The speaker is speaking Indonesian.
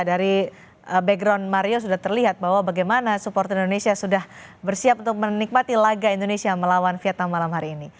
dari background mario sudah terlihat bahwa bagaimana supporter indonesia sudah bersiap untuk menikmati laga indonesia melawan vietnam malam hari ini